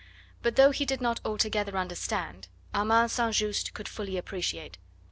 But though he did not altogether understand, Armand St. Just could fully appreciate.